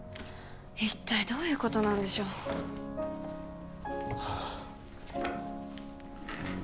一体どういうことなんでしょう？ハァ。